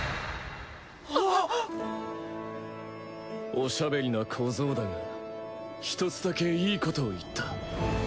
おしゃべりな小僧だが一つだけいいことを言った。